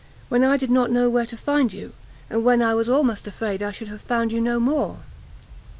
when I did not know where to find you, and when I was almost afraid I should have found you no more!"